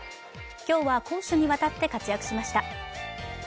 今日は攻守にわたって活躍しました。